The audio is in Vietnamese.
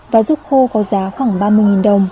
và rút khô có giá khoảng ba mươi đồng